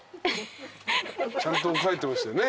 ちゃんと書いてましたよね？